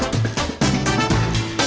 kita bikinnya banyak juga